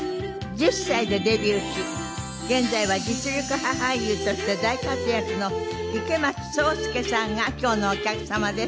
１０歳でデビューし現在は実力派俳優として大活躍の池松壮亮さんが今日のお客様です。